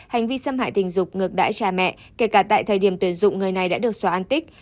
hành vi xâm hại tình dục ngược đại trà mẹ kể cả tại thời điểm tuyển dụng người này đã được xóa an tích